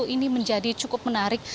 ini menjadi cukup menarik